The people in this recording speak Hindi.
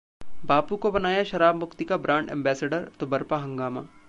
बापू को बनाया शराब मुक्ति का ब्रांड एंबेसडर, तो बरपा हंगामा